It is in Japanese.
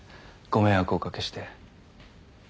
ご迷惑お掛けして。